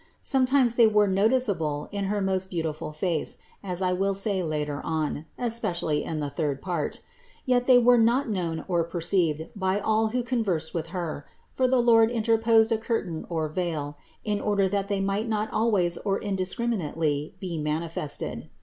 Sometimes they were noticeable in her most beautiful face, as I will say later on, especially in the third part; yet they were not known or perceived by all who conversed with Her, for the Lord interposed a curtain or veil, in THE INCARNATION 137 order that they might not always or indiscriminately be manifested.